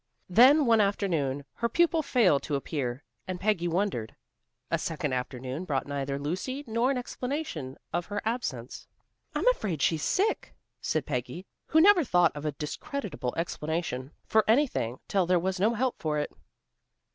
Then one afternoon her pupil failed to appear, and Peggy wondered. A second afternoon brought neither Lucy nor an explanation of her absence. "I'm afraid she's sick," said Peggy, who never thought of a discreditable explanation for anything till there was no help for it.